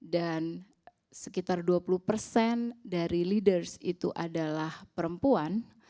dan sekitar dua puluh dari leaders itu adalah perempuan